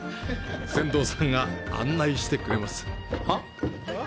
船頭さんが案内してくれます。